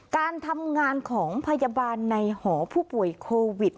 การทำงานของพยาบาลในหอผู้ป่วยโควิด